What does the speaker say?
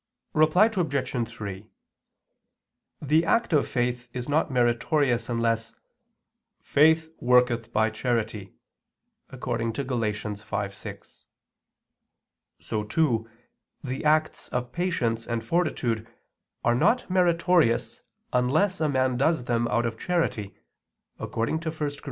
Reply Obj. 3: The act of faith is not meritorious unless "faith ... worketh by charity" (Gal. 5:6). So, too, the acts of patience and fortitude are not meritorious unless a man does them out of charity, according to 1 Cor.